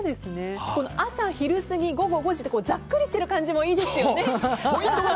朝、昼過ぎ、午後５時とざっくりしている感じもいいですよね。